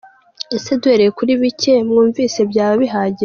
Ese duhereye kuri bicye mwumvise byaba bihagije?